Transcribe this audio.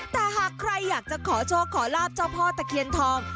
แต่หากใครอยากจะขอโชคขอลาบเจ้าพ่อตะเคียนทอง